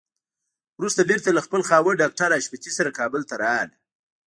وروسته بېرته له خپل خاوند ډاکټر حشمتي سره کابل ته راغله.